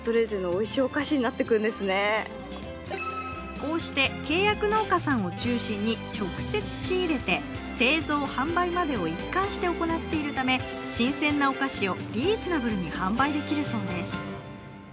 こうして契約農家さんを中心に直接仕入れて製造・販売まで一貫して行っているため新鮮なお菓子をリーズナブルに販売できるそうです。